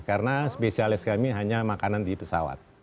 karena spesialis kami hanya makanan di pesawat